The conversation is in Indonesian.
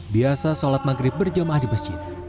biasa sholat maghrib berjamaah di masjid